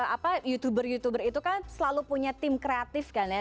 apa youtuber youtuber itu kan selalu punya tim kreatif kan ya